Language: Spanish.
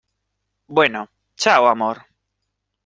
bueno. chao, amor .